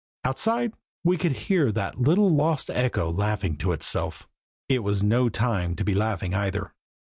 Outside we could hear that little lost echo laughing to itself. It was no time to be laughing either.